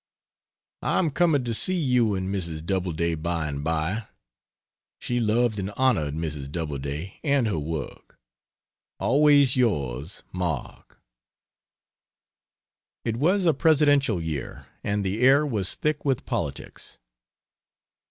I am coming to see you and Mrs. Doubleday by and bye. She loved and honored Mrs. Doubleday and her work. Always yours, MARK. It was a presidential year and the air was thick with politics.